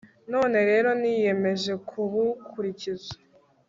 none rero niyemeje kubukurikiza